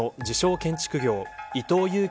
建築業伊藤裕樹